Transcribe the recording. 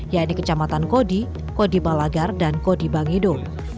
yaitu kecamatan kodi kodi malagar dan kodi bangido